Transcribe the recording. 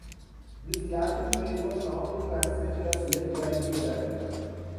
This Latin phrase was normally translated as "Let right be done".